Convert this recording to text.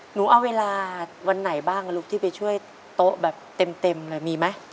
หนูเอาเวลาวันไหนบ้างลูกที่ไปช่วยโต๊ะแบบเต็มเลยมีไหม